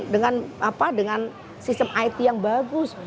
dengan sistem it yang bagus